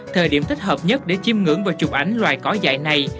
thời điểm thích hợp nhất để chìm ngưỡng vào chụp ảnh loài cỏ dại này